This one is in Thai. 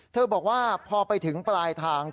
บอกว่าพอไปถึงปลายทาง